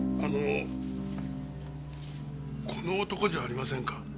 あのこの男じゃありませんか？